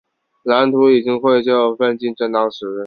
蓝图已经绘就，奋进正当时。